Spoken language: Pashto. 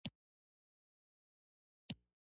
• بادام د زړه د عضلاتو پیاوړتیا کې مرسته کوي.